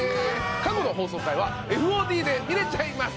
過去の放送回はＦＯＤで見れちゃいます。